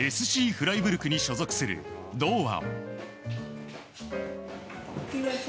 フライブルクに所属する堂安。